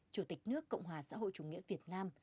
chủ tịch nước cộng hòa xã hội chủ nghĩa việt nam